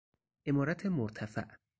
عمارت مرتفع